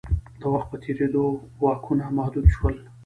د وخت په تېرېدو واکونه محدود شول.